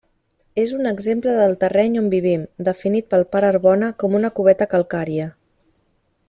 És un exemple del terreny on vivim, definit pel pare Arbona com una cubeta calcària.